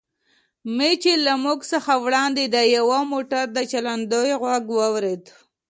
مې له موږ څخه وړاندې د یوه موټر د چالانېدو غږ واورېد.